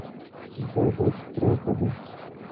دا دښت پراخه ده.